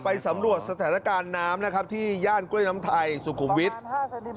สำรวจสถานการณ์น้ำนะครับที่ย่านกล้วยน้ำไทยสุขุมวิทย์